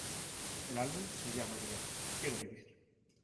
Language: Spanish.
El álbum se llamaría ¡Quiero Vivir!.